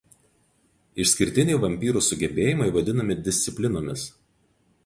Išskirtiniai vampyrų sugebėjimai vadinami "disciplinomis".